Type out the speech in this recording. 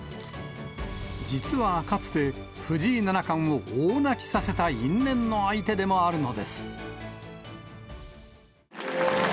実はかつて、藤井七冠を大泣きさせた因縁の相手でもあるのです。